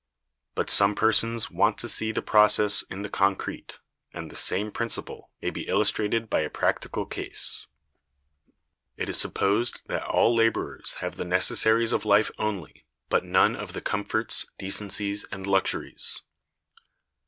But some persons want to see the process in the concrete, and the same principle may be illustrated by a practical case. It is supposed that all laborers have the necessaries of life only, but none of the comforts, decencies, and luxuries.